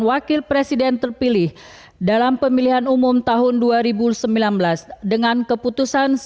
wakil presiden terpilih dalam pemilihan umum tahun dua ribu sembilan belas dengan keputusan